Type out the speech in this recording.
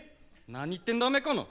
何言ってんだおめえこの。